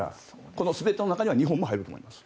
この全ての中には日本も入ると思います。